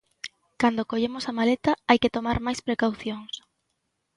Cando collemos a maleta hai que tomar máis precaucións.